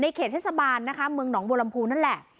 ในเขตศาสบาลเมืองหนองวลำพูนั่นแหละ